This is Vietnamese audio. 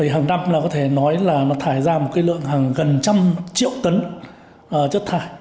hàng năm có thể nói là nó thải ra một lượng gần trăm triệu tấn chất thải